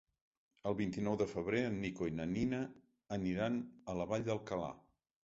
El vint-i-nou de febrer en Nico i na Nina aniran a la Vall d'Alcalà.